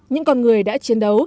những con người đã chiến đấu